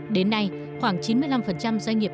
đến nay khoảng chín mươi năm doanh nghiệp